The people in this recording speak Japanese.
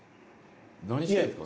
何してるんですか。